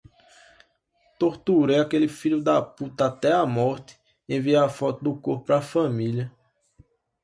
Torturei aquele filho da puta até a morte, enviei foto do corpo pra família